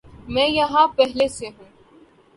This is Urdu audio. میں یہاں پہلے سے ہوں